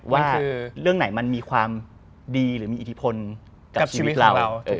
ว่าเรื่องไหนมันมีความดีหรือมีอิทธิพลกับชีวิตเรา